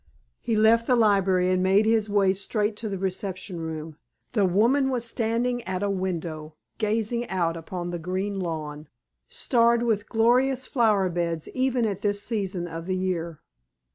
He left the library and made his way straight to the reception room. The woman was standing at a window, gazing out upon the green lawn, starred with gorgeous flower beds even at this season of the year.